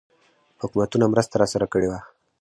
حکومتونو مرسته راسره کړې وه.